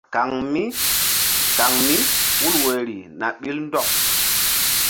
Kan mí hul woyri na ɓil ndɔk.